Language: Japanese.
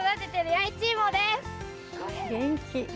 元気。